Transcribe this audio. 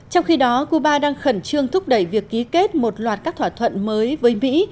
trong khi đó cuba đang khẩn trương thúc đẩy việc ký kết một loạt các thỏa thuận mới với mỹ